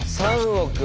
３億。